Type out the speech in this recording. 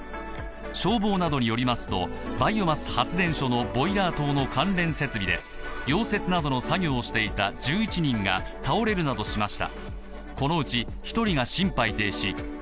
消防などによりますとバイオマス発電所のボイラー棟の関連設備で溶接などの作業をしていた１１人が倒れるなどしました。